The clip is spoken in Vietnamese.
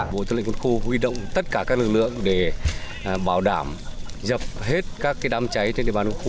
bộ tư lệnh quân khu huy động tất cả các lực lượng để bảo đảm dập hết các đám cháy trên địa bàn quân khu